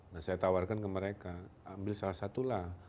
nah saya tawarkan ke mereka ambil salah satulah